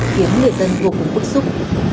khiến người dân vô cùng bức xúc